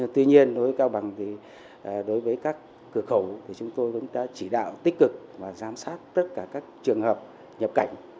tuy nhiên đối với các cửa khẩu thì chúng tôi cũng đã chỉ đạo tích cực và giám sát tất cả các trường hợp nhập cảnh